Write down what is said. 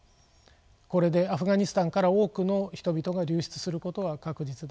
これでアフガニスタンから多くの人々が流出することは確実です。